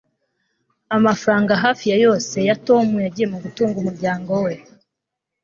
amafaranga hafi ya yose ya tom yagiye mu gutunga umuryango we